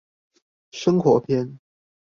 生活篇